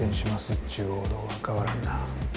っちゅう王道は変わらへんな。